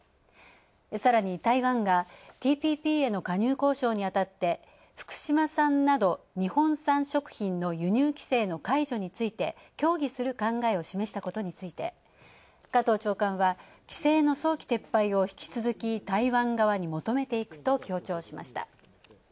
さらに、台湾がＴＰＰへの加入交渉に当たって福島産など日本産食品の輸入規制の解除について協議する考えを示したことについて加藤長官は規制の早期撤廃を引き続き台湾側に求めていくと強調しました。